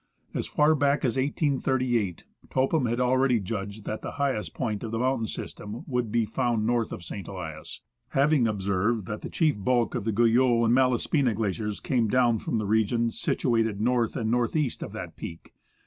J. E. MacGrath gave it that of 19,539 feet. As far back as 1838, Topham had already judged that the highest point of the mountain system would be found north of St. Elias, having observed that the chief bulk of the Guyot and Malaspina Glaciers came down from the region situated north and north east of that peak.